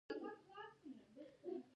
د یوچا سپین بغاوته الله هو، الله هو